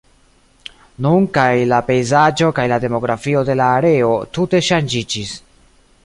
Nun kaj la pejzaĝo kaj la demografio de la areo tute ŝanĝiĝis.